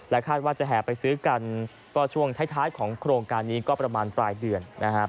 คาดว่าจะแห่ไปซื้อกันก็ช่วงท้ายของโครงการนี้ก็ประมาณปลายเดือนนะครับ